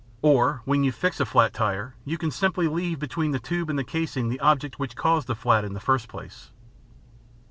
Or, when you fix a flat tire, you can simply leave between the tube and the casing the object which caused the flat in the first place.